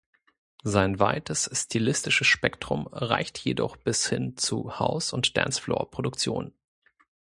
Sein weites stilistisches Spektrum reicht jedoch bis hin zu House- und Dancefloor-Produktionen.